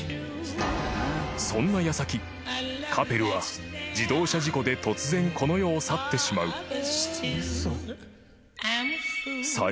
［そんな矢先カペルは自動車事故で突然この世を去ってしまう］